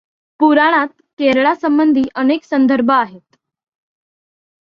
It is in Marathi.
पुराणात केरळासबंधी अनेक संदर्भ आहेत.